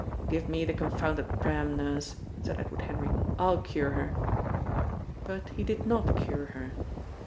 "Give me the confounded pram, Nurse," said Edward Henry, "I'll cure her." But he did not cure her.